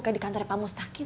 kayak di kantornya pamustakin